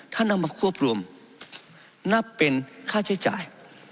ท่านเอามาควบรวมนับเป็นค่าใช้จ่าย